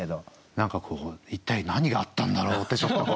何かこう一体何があったんだろうってちょっと。